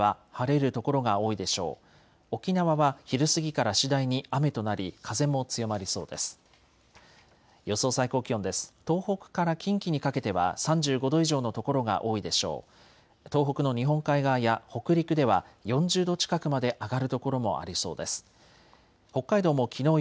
東北から近畿にかけては３５度以上の所が多いでしょう。